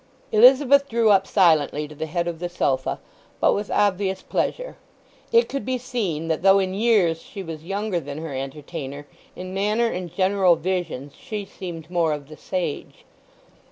Elizabeth drew up silently to the head of the sofa, but with obvious pleasure. It could be seen that though in years she was younger than her entertainer in manner and general vision she seemed more of the sage.